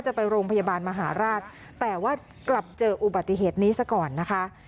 จะไปโรงพยาบาลมหาราชแต่ว่ากลับเจออุบัติเหตุนี้ซะก่อนนะคะ